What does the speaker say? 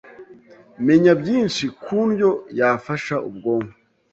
menya byinshi kundyo yafasha ubwonko